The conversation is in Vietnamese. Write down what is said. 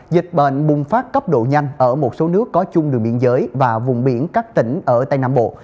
dịch bệnh bùng phát cấp độ nhanh ở một số nước có chung đường biên giới và vùng biển các tỉnh ở tây nam bộ